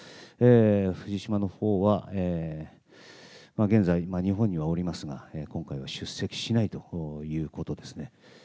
藤島のほうは、現在、日本にはおりますが、今回は出席しないということですね。